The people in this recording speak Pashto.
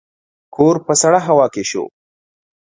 کور په سړه هوا کې شو.